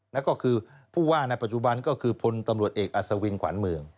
นั่นก็คือผู้ว่าในปัจจุบันก็คือพลตำรวจเอกอัศวินขวานเมือง